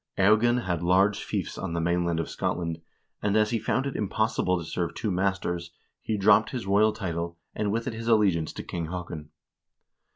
Eogan held large fiefs on the mainland of Scotland, and as he found it impossible to serve two masters, he dropped his royal title, and with it his allegiance to King Haakon.